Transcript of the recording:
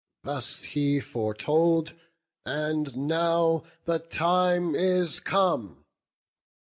Thus he foretold, and now the time is come.